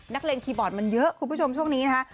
เล็งคีย์บอร์ดมันเยอะคุณผู้ชมช่วงนี้นะคะ